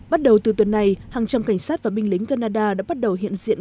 bắt đầu từ tuần này hàng trăm cảnh sát và binh lính canada đã bắt đầu hiện diện